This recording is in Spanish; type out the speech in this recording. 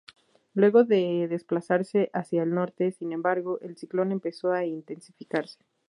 Luego de desplazarse hacia el norte, sin embargo, el ciclón empezó a intensificarse.